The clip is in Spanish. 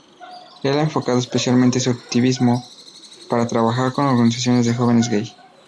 Él ha enfocado especialmente su activismo para trabajar con organizaciones de jóvenes gay.